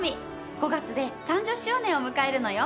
５月で３０周年を迎えるのよ。